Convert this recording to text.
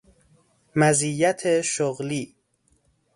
مزیت شغلی